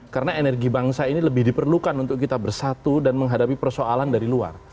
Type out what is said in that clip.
karena energi bangsa ini lebih diperlukan untuk kita bersatu dan menghadapi persoalan dari luar